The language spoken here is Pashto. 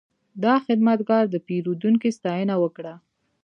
دا خدمتګر د پیرودونکي ستاینه وکړه.